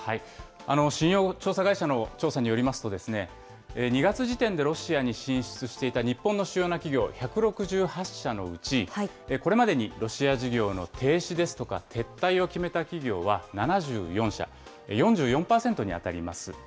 信用調査会社の調査によりますと、２月時点でロシアに進出していた日本の主要な企業１６８社のうち、これまでにロシア事業の停止ですとか、撤退を決めた企業は７４社、４４％に当たります。